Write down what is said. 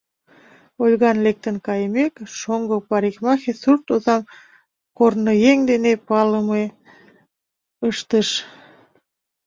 Ольган лектын кайымек, шоҥго парикмахер сурт озам корныеҥ дене палымым ыштыш: